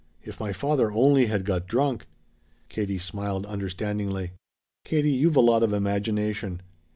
If my father only had got drunk!" Katie smiled understandingly. "Katie, you've a lot of imagination.